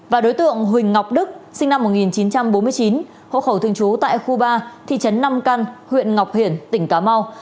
và đối tượng huỳnh ngọc đức sinh năm một nghìn chín trăm bốn mươi chín hộ khẩu thường trú tại khu ba thị trấn năm căn huyện ngọc hiển tỉnh cà mau